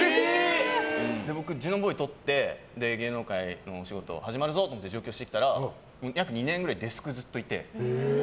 僕、ジュノンボーイとって芸能界のお仕事始まるぞと思って上京してきたら約２年ぐらいデスクずっといて。